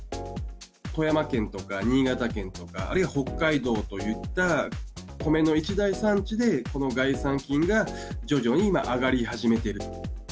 富山県とか新潟県とか、あるいは北海道といった米の一大産地で、この概算金が徐々に今、上がり始めている。